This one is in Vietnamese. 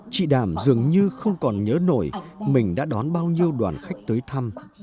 chị đảm dường như không còn nhớ nổi mình đã đón bao nhiêu đoàn khách tới thăm